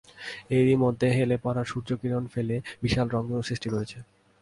এরই মধ্যে হেলে পড়া সূর্য কিরণ ফেলে বিশাল রংধনু সৃষ্টি করেছে।